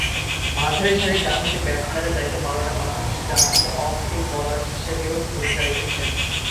মাঝারি সারির ডানহাতি ব্যাটসম্যানের দায়িত্ব পালনের পাশাপাশি ডানহাতে অফ স্পিন বোলার হিসেবেও ভূমিকা রেখেছেন।